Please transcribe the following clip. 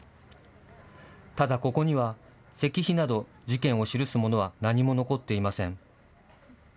ただ、ここには石碑など事件を記すものは何も残っていません。